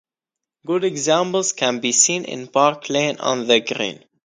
Good examples can be seen in Park Lane and The Green.